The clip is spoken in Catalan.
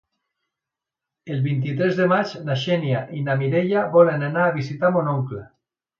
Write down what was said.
El vint-i-tres de maig na Xènia i na Mireia volen anar a visitar mon oncle.